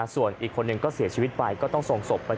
ส่วนอีกคนนึงก็เสียชีวิตไป